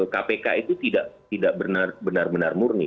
kpk itu tidak benar benar murni